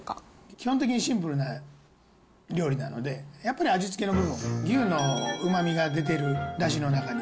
基本的にシンプルな料理なので、やっぱり味付けの部分、牛のうまみが出てるだしの中に。